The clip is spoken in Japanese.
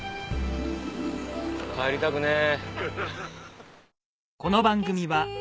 帰りたくねえ。